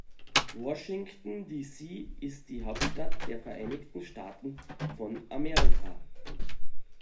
Washington, D.C. ist die Hauptstadt der Vereinigten Staaten von Amerika.